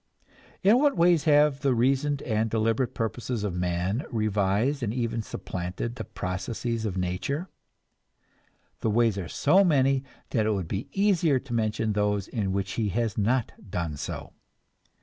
In what ways have the reasoned and deliberate purposes of man revised and even supplanted the processes of nature? The ways are so many that it would be easier to mention those in which he has not done so.